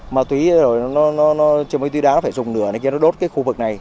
ma túy rồi nó chơi máy tuy đá nó phải dùng nửa này kia nó đốt cái khu vực này